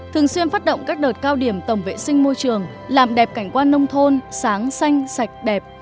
thường xuyên phát động các đợt cao điểm tổng vệ sinh môi trường làm đẹp cảnh quan nông thôn sáng xanh sạch đẹp